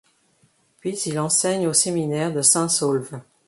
Puis il enseigne au séminaire de Saint-Saulve.